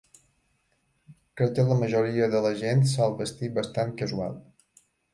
Crec que la majoria de la gent sol vestir bastant casual.